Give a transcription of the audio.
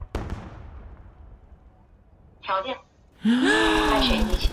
终于熬到十点